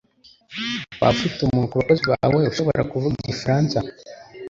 Waba ufite umuntu ku bakozi bawe ushobora kuvuga igifaransa?